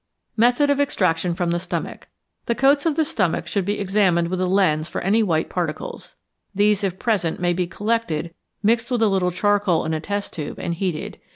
Method of Extraction from the Stomach. The coats of the stomach should be examined with a lens for any white particles. These, if present, may be collected, mixed with a little charcoal in a test tube, and heated.